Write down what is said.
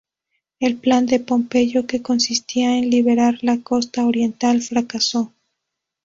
El plan de Pompeyo, que consistía en liberar la costa oriental, fracasó.